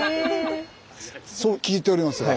そう聞いておりますが。